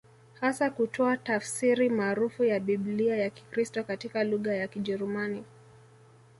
Hasa kutoa tafsiri maarufu ya biblia ya kikristo katika lugha ya Kijerumani